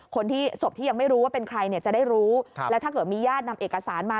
ศพที่ยังไม่รู้ว่าเป็นใครเนี่ยจะได้รู้แล้วถ้าเกิดมีญาตินำเอกสารมา